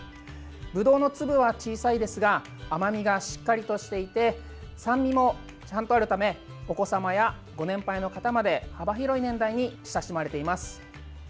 ぶどうの粒は小さいですが甘みがしっかりとしていて酸味もちゃんとあるためお子様やご年配の方まで幅広い年代に親しまれています。